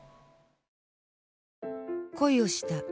恋をした。